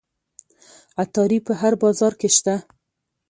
عطاري په هر بازار کې شته.